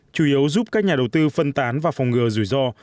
chủ yếu giúp các nhà đầu tư phân tán và phòng ngừa rủi ro